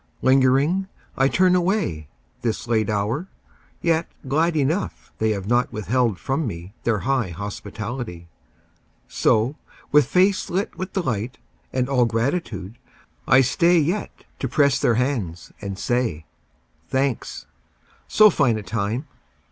Lingeringly I turn away, This late hour, yet glad enough They have not withheld from me Their high hospitality. So, with face lit with delight And all gratitude, I stay Yet to press their hands and say, "Thanks. So fine a time